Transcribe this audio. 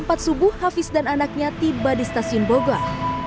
tepat pukul empat subuh hafiz dan anaknya tiba di stasiun bogor